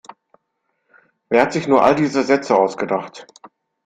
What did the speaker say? Wer hat sich nur all diese Sätze ausgedacht?